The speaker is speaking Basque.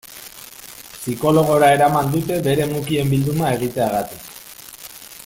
Psikologora eraman dute bere mukien bilduma egiteagatik.